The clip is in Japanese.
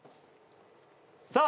さあ